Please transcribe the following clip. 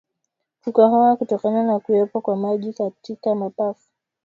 Kukohoa kutokana na kuwepo kwa maji katika mapafu